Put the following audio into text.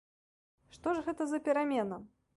Што ж гэта за перамена?